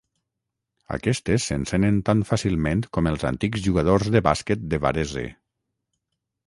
Aquests s'encenen tan fàcilment com els antics jugadors de bàsquet de Varese.